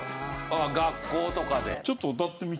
ああ学校とかで？